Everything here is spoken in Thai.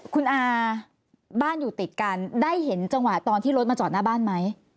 คุณอาบ้านอยู่ติดกันได้เห็นจังหวะตอนที่รถมาจอดหน้าบ้านไหม